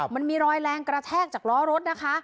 มันมีรอยแรงกระแทกจากล้อรถนะคะ